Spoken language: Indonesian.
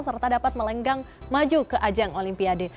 serta dapat melenggang maju ke ajang olimpiade